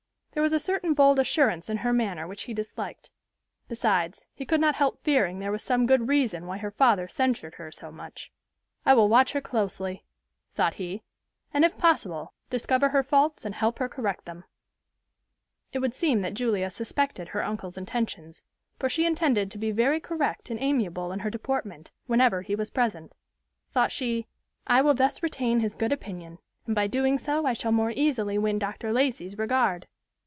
There was a certain bold assurance in her manner which he disliked. Besides, he could not help fearing there was some good reason why her father censured her so much. "I will watch her closely," thought he, "and if possible, discover her faults and help her correct them." It would seem that Julia suspected her uncle's intentions, for she intended to be very correct and amiable in her deportment, whenever he was present. Thought she, "I will thus retain his good opinion; and by so doing I shall more easily win Dr. Lacey's regard."